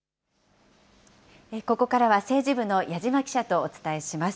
ここからは政治部の矢島記者とお伝えします。